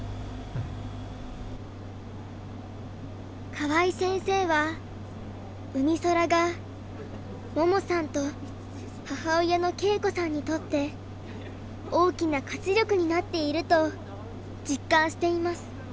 河合先生はうみそらが桃さんと母親の恵子さんにとって大きな活力になっていると実感しています。